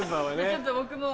ちょっと僕も。